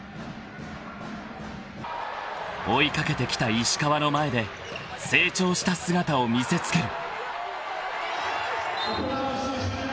［追い掛けてきた石川の前で成長した姿を見せつける］